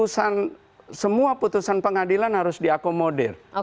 semua putusan pengadilan harus diakomodir